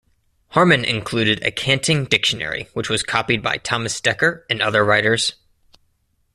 Harman included a canting dictionary which was copied by Thomas Dekker and other writers.